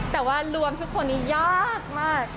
แต่ว่ารวมทุกคนนี้ยากมาก